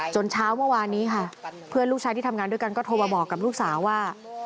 เช้าเมื่อวานนี้ค่ะเพื่อนลูกชายที่ทำงานด้วยกันก็โทรมาบอกกับลูกสาวว่า